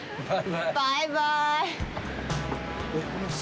バイバーイ。